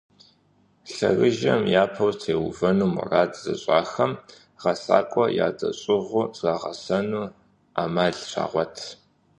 Лъэрыжэм япэу теувэну мурад зыщIахэм, гъэсакIуэ ядэщIыгъуу зрагъэсэну Iэмал щагъуэт.